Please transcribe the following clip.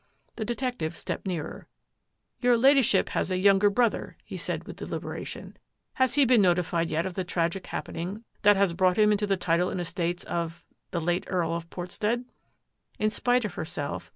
The detective stepped nearer. " Your Lady ship has a younger brother," he said with delibera tion. " Has he been notified yet of the tragic happening that has brought him into the title and estates of — the late Earl of Portstead? " In spite of herself.